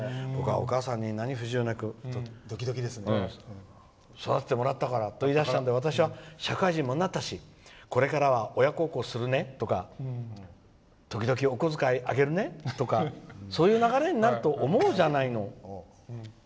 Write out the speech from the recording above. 「お母さんに何不自由なく育ってもらったから私は社会人になったし、私は親孝行するねとか時々お小遣いあげるねとかそういう流れになると思うじゃないの」。